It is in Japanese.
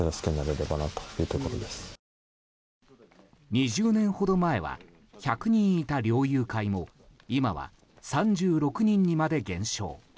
２０年ほど前は１００人いた猟友会も今は３６人にまで減少。